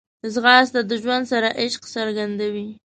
ځغاسته د ژوند سره عشق څرګندوي